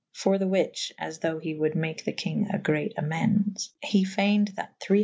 For the which (as though he wolde make the kynge a'great amendes) he fayned that .iii. C.